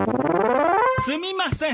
すみません。